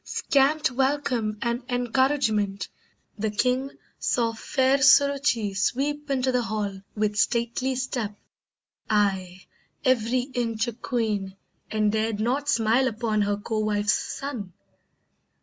Scant welcome and encouragement; the king Saw fair Suruchee sweep into the hall With stately step, aye, every inch a queen, And dared not smile upon her co wife's son.